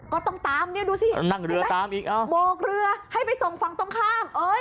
ก็ต้องตามดูสิโบกเรือให้ไปส่งฝั่งตรงข้ามนั่งเรือตามอีก